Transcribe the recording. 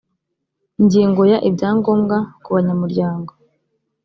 ingingo ya ibyangombwa kubanyamuryango